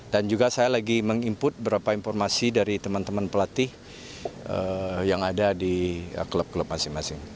dan juga saya lagi meng input beberapa informasi dari teman teman pelatih yang ada di klub klub masing masing